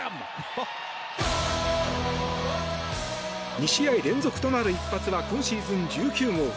２試合連続となる一発は今シーズン１９号。